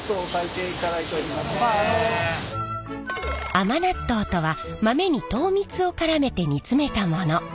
甘納豆とは豆に糖蜜をからめて煮詰めたもの。